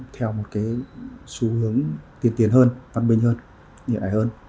theo một cái xu hướng tiền tiền hơn văn minh hơn